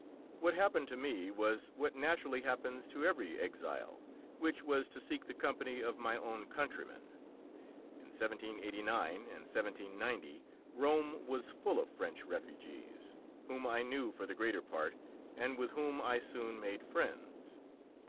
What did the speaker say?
What happened to me was what naturally happens to every exile, which was to seek the company of my own countrymen. In 1789 and 1790 Rome was full of French refugees, whom I knew for the greater part, and with whom I soon made friends.